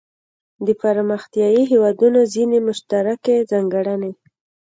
د پرمختیايي هیوادونو ځینې مشترکې ځانګړنې.